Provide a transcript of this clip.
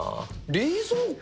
冷蔵庫？